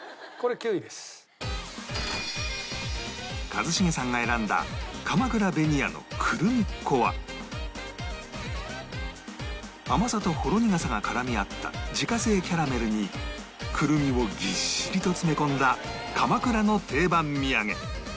一茂さんが選んだ鎌倉紅谷のクルミッ子は甘さとほろ苦さが絡み合った自家製キャラメルにクルミをぎっしりと詰め込んだ鎌倉の定番土産